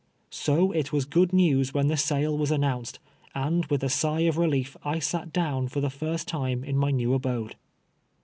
So it was good news when the sale was an nounced, and with a sigh of relief I sat down for the first time in my new abode.